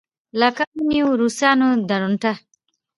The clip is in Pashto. لکه ونېوه روسانو درونټه.